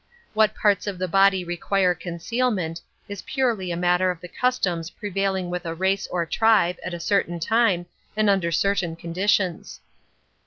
What parts of the body require concealment, is purely a matter of the customs prevailing with a race or tribe, at a certain time, and under certain conditions.